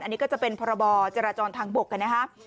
อันนี้ก็จะเป็นพรบจราจรทางบกนะครับ